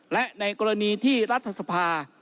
และในกรณีที่รัฐสภา